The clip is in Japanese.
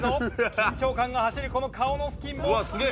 緊張感が走るこの顔の付近もクリアした。